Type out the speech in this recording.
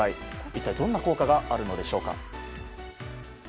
一体、どんな効果があるのでしょうか。